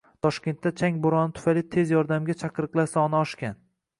Toshkentda chang bo‘roni tufayli tez yordamga chaqiriqlar soni oshgan